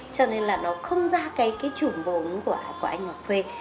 cho nên là nó không ra cái trùm bốn của anh ngọc quê